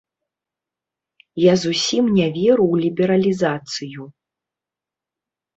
Я зусім не веру ў лібералізацыю.